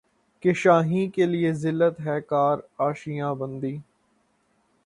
کہ شاہیں کیلئے ذلت ہے کار آشیاں بندی